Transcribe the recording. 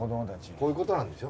こういうことなんでしょ。